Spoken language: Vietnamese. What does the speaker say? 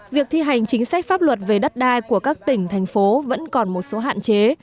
việc thi hành chính sách pháp luật về đất đai của các tỉnh thành phố vẫn còn một số hạn chế